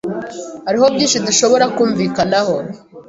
Hariho byinshi dushobora kumvikanaho.